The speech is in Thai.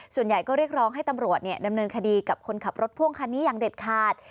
ส่วนใหญ่ก็เรียกร้องให้ตำรวจดำเนินคดีกับคนขับรถพ่วงคันนี้อย่างเด็ดขาด